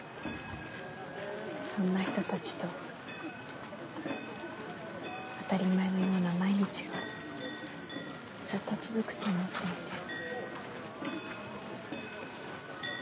そんな人たちと当たり前のような毎日がずっと続くと思っていて。